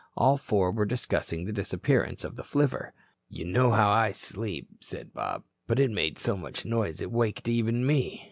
All four were discussing the disappearance of the flivver. "You know how I sleep," said Bob. "But it made so much noise it waked even me."